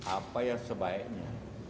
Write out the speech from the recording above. apa yang sebaiknya